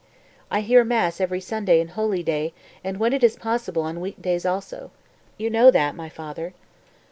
I hear mass every Sunday and holy day, and when it is possible on week days also, you know that, my father."